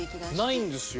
ないんですよ。